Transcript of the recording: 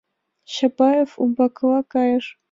Чапаев умбакыла кайыш.